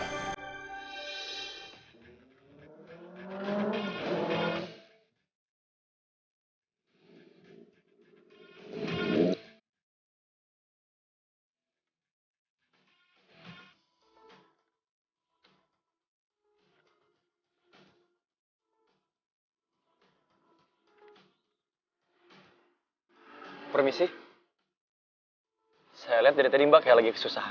tapi sarapannya ditinggalin gitu aja